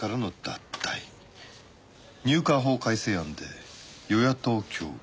入管法改正案で与野党協議。